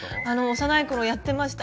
幼い頃やってました。